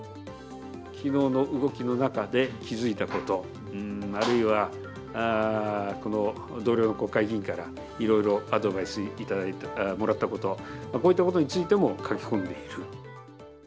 きのうの動きの中で気付いたこと、あるいは、この同僚国会議員からいろいろアドバイスもらったこと、こういったことについても書き込んでいる。